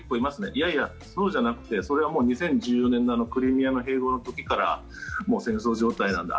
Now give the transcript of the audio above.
いやいや、そうじゃなくてそれは２０１４年のクリミアの併合の時からもう戦争状態なんだ